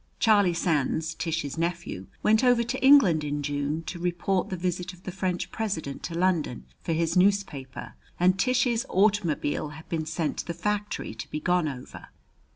Charlie Sands, Tish's nephew, went over to England in June to report the visit of the French President to London for his newspaper, and Tish's automobile had been sent to the factory to be gone over.